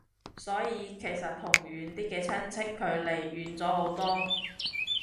所以其實同遠啲嘅親戚距離遠咗好多